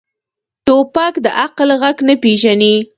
توپک د عقل غږ نه پېژني.